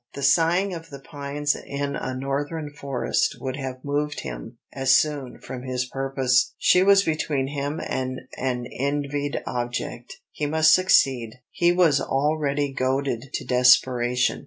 The sighing of the pines in a Northern forest would have moved him as soon from his purpose. She was between him and an envied object; he must succeed. He was already goaded to desperation.